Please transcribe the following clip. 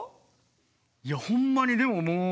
いやほんまにでももう。